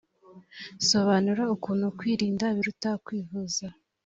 sobanura ukuntu kwirinda biruta kwivuza